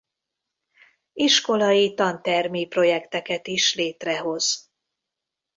Iskolai tantermi projekteket is létrehoz.